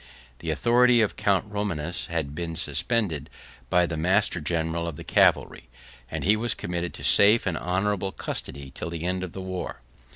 The authority of Count Romanus had been suspended by the master general of the cavalry; and he was committed to safe and honorable custody till the end of the war.